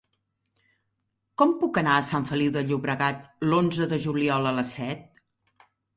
Com puc anar a Sant Feliu de Llobregat l'onze de juliol a les set?